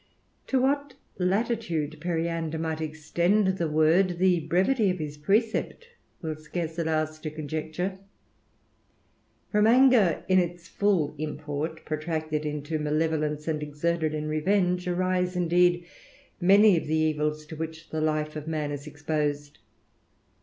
To what latitude Periander might extend the word, the brevity of his precept will scarce allow us to conjecture. From anger, in its full import, protracted into malevolence, and exerted in revenge, arise, indeed, many of the evils to which the life of man is exposed.